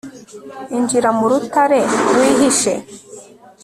injira mu rutare wihishe